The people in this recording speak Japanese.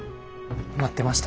待ってました。